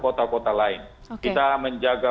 kota kota lain kita menjaga